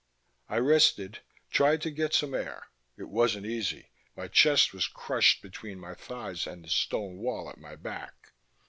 I rested, tried to get some air. It wasn't easy: my chest was crushed between my thighs and the stone wall at my back.